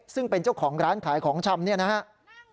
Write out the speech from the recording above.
ซึ่งเป็นเจ้าของร้านขายของชำเนี่ยนะครับ